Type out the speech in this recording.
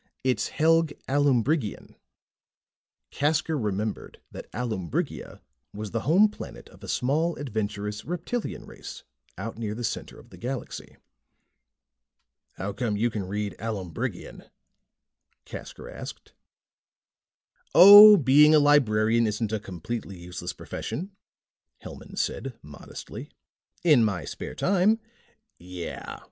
It's Helg Aloombrigian." Casker remembered that Aloombrigia was the home planet of a small, adventurous reptilian race, out near the center of the Galaxy. "How come you can read Aloombrigian?" Casker asked. "Oh, being a librarian isn't a completely useless profession," Hellman said modestly. "In my spare time " "Yeah.